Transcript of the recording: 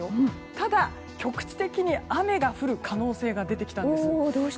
ただ、局地的に雨が降る可能性が出てきたんです。